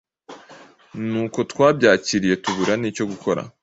Nuko twabyakiriye tubura nicyo gukora.